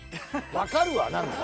分かるわ何か。